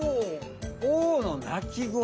「Ｏ」の鳴き声。